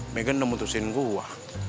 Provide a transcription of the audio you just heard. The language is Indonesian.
megan udah mutusin gue